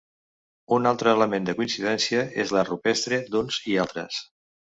Un altre element de coincidència és l'art rupestre d'uns i altres.